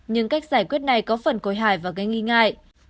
nhưng cách giải quyết này có phần côi hải và gây nghi ngại